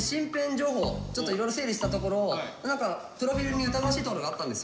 情報いろいろ整理したところ何かプロフィールに疑わしいところがあったんですよ。